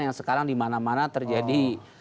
yang sekarang dimana mana terjadi